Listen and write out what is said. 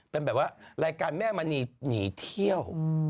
เป็นแบบว่ารายการแม่มณีหนีเที่ยว